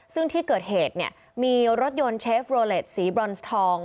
ซึ่งที่เกิดเหตุเนี่ยมีรถยนต์เชฟโรเล็ตสีบรอนทอง